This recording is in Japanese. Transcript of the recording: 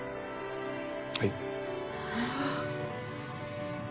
はい。